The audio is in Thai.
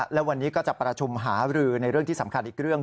และวันนี้ก็จะประชุมหารือในเรื่องที่สำคัญอีกเรื่อง